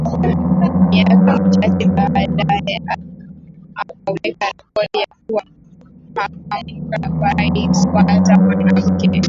Miaka michache baadaye akaweka rekodi ya kuwa makamu wa rais kwanza mwanamke